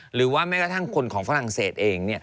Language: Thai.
หรือว่าแม้กระทั่งคนของฝรั่งเศสเอง